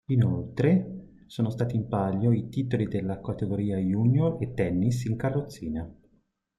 Inoltre sono stati in palio i titoli della categoria Junior e tennis in carrozzina.